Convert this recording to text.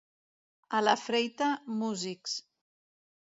A la Freita, músics.